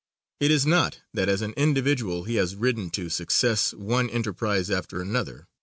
It is not that as an individual he has ridden to success one enterprise after another.